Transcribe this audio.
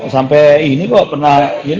sampe ini kok pernah